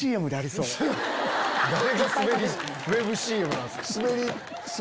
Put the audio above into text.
誰がスベりウェブＣＭなんすか！